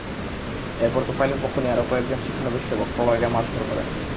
এরপর তোফায়েলের পক্ষ নিয়ে আরও কয়েকজন শিক্ষানবিশ সেবক প্রলয়কে মারধর করেন।